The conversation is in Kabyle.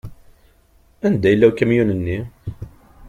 Anda yella ukamyun-nni?